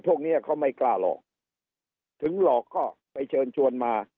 พวกเนี้ยเขาไม่กล้าหลอกถึงหลอกก็ไปเชิญชวนมา